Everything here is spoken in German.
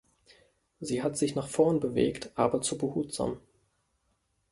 Sie hat sich nach vorn bewegt, aber zu behutsam.